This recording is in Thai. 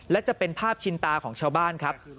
และจะเป็นภาพชินตาของชาวบ้านครับ